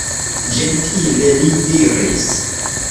Ĝentile li diris: